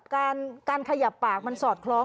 การขยับปากมันสอดคล้อง